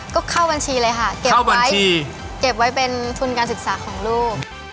อ๋อก็เข้าบัญชีเลยค่ะเก็บไว้เป็นทุนการศึกษาของลูก